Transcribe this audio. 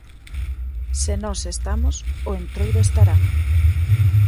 Se nós estamos, o Entroido estará.